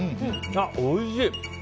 おいしい！